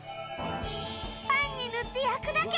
パンに塗って焼くだけ！